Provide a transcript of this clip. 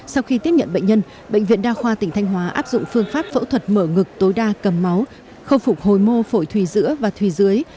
sau khi tiếp nhận bệnh nhân bệnh viện đa khoa tỉnh thanh hóa áp dụng phương pháp phẫu thuật mở ngực tối đa cầm máu khôi phục hồi mô phổi thùy giữa và thùy dưới